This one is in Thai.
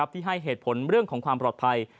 ที่ให้เหตุผลเรื่องของความปลอดภัย